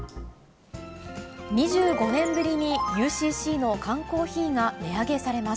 ２５年ぶりにＵＣＣの缶コーヒーが値上げされます。